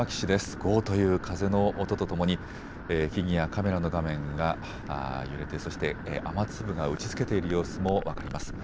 ゴーッという風の音とともに木々やカメラの画面が、揺れてそして雨粒が打ちつけている様子も分かります。